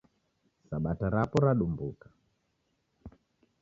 Sabata rapo radumbuka